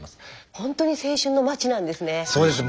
ほんとに青春の街なんですね。